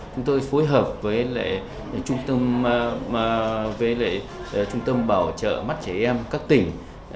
chúng tôi phối hợp với trung tâm bảo trợ mắt trẻ em các tỉnh